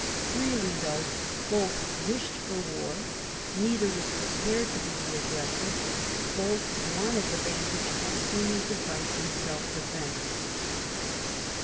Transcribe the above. Beally, though both wished for war, neither was prepared to be the aggressor ; both wanted the vantage of seeming to fight in self defence.